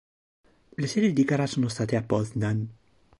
Le sedi di gara sono state a Poznań.